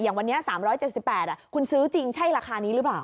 วันนี้๓๗๘คุณซื้อจริงใช่ราคานี้หรือเปล่า